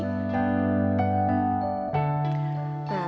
honor kita berdua buat pantiasuan tiara hati